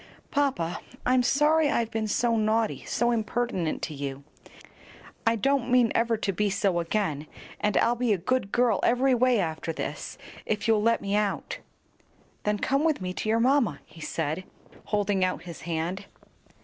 "Papa, I'm sorry I've been so naughty, so impertinent to you. I don't mean ever to be so again; and I'll be a good girl every way after this, if you'll let me out." "Then come with me to your mamma," he said, holding out his hand.